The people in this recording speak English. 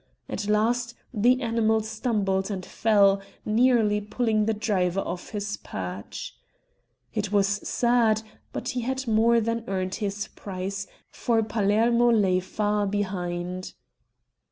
At last the animal stumbled and fell, nearly pulling the driver off his perch. It was sad, but he had more than earned his price, for Palermo lay far behind.